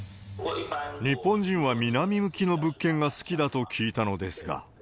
日本人は南向きの物件が好きだと聞いたのですが。